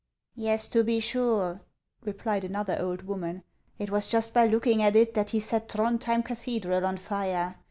" Yes, to be sure," replied another old woman ;" it was just by looking at it that he set Throudhjem cathedral on fire.